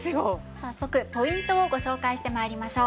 早速ポイントをご紹介して参りましょう。